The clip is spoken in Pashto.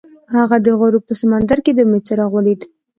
هغه د غروب په سمندر کې د امید څراغ ولید.